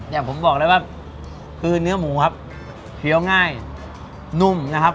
อย่างผมบอกเลยว่าคือเนื้อหมูครับเคี้ยวง่ายนุ่มนะครับ